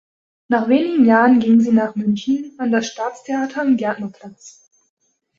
Nach wenigen Jahren ging sie nach München an das Staatstheater am Gärtnerplatz.